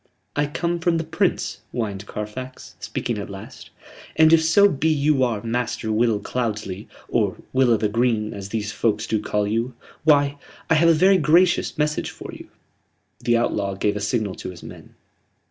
"I come from the Prince," whined Carfax, speaking at last; "and if so be you are Master Will Cloudesley, or Will o' th' Green as these folks do call you why, I have a very gracious message for you." The outlaw gave a signal to his men.